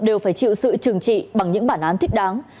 đều phải chịu sự trừng trị bằng những bản án thích đáng